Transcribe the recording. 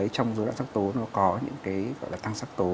trong dối loạn sắc tố nó có những tăng sắc tố